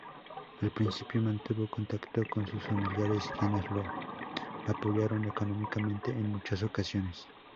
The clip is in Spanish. Al principio mantuvo contacto con sus familiares, quienes la apoyaron económicamente en muchas ocasiones.